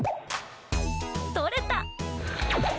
取れた。